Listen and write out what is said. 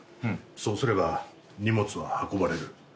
そうすれば荷物は運ばれる。